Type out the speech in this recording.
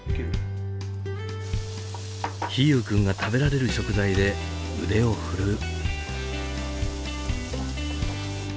陽友君が食べられる食材で腕を振るう。